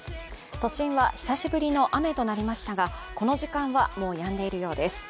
都心は久しぶりの雨となりましたがこの時間はもうやんでいるようです。